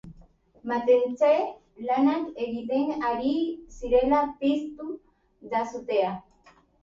Mantentze-lanak egiten ari zirela piztu da sutea.